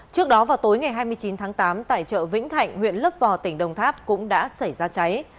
trước đó vào tối ngày hai mươi chín tháng tám tại chợ vĩnh thạnh huyện lấp vò tỉnh đồng tháp cũng đã xảy ra cháy